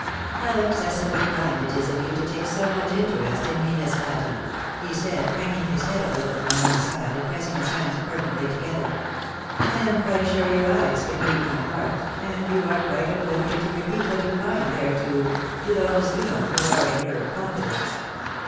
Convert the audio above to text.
" How excessively kind it is of you to take so much interest in me, Miss Patty !" he said, hanging his head a little on one side, and pressing his hands fervently together ;" I am sure your eyes can read my heart, and you are quite at liberty to repeat what you find there to to those, you know, who are in joxa confidence."